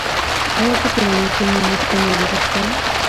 ایا په کورنۍ کې مو ارثي ناروغي شته؟